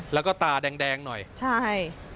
แล้วก็ตาแดงหน่อยใช่